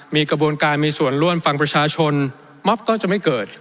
มีกระบวนการมีส่วนร่วมฟังประชาชนมอบก็จะไม่เกิด